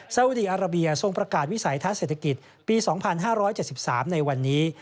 สาวอุดีอาราเบียทรงประกาศวิสัยทัศน์เศรษฐกิจปี๒๕๗๓ในวันนี้